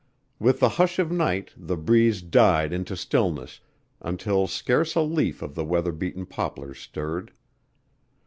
With the hush of night the breeze died into stillness until scarce a leaf of the weather beaten poplars stirred.